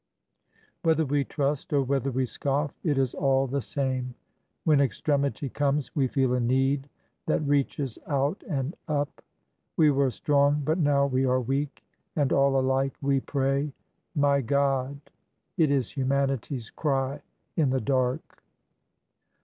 Whether we trust or whether we scoff, it is all the same. When extremity comes, we feel a need that reaches out and up. We were strong, but now we are weak— and all alike we pray : My God ! It is humanity's cry in the dark.